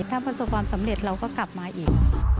ถ้าประสบความสำเร็จเราก็กลับมาอีก